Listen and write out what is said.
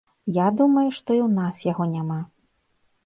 Я думаю, што і ў нас яго няма.